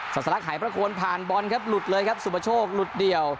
ศาสลักหายประโคนผ่านบอลครับหลุดเลยครับสุประโชคหลุดเดี่ยว